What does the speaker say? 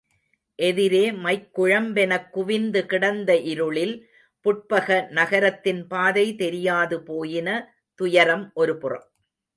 எதிரே மைக்குழம்பெனக் குவிந்துகிடந்த இருளில் புட்பக நகரத்தின் பாதை தெரியாது போயின துயரம் ஒருபுறம்.